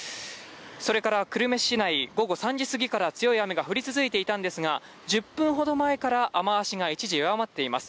それから久留米市内、午後３時すぎから強い雨が降り続いていたんですが、１０分ほど前から雨足が一時弱まっています。